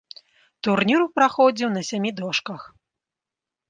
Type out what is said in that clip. Турнір праходзіў на сямі дошках.